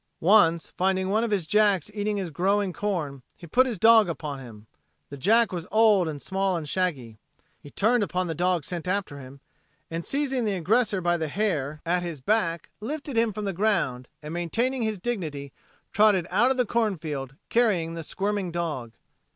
Once finding one of his jacks eating his growing corn, he put his dog upon him. The jack was old and small and shaggy. He turned upon the dog sent after him and seizing the aggressor by the hair at his back lifted him from the ground and maintaining his dignity trotted out of the corn field carrying the squirming dog.